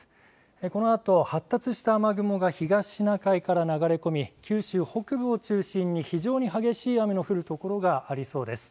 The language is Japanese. このあと発達した雨雲が東シナ海から流れ込む九州北部を中心に非常に激しい雨の降る所がありそうです。